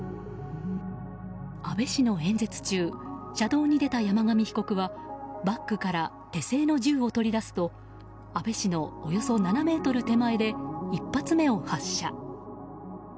安倍氏の演説中車道に出た山上被告はバッグから手製の銃を取り出すと安倍氏のおよそ７ｍ手前で１発目を発射。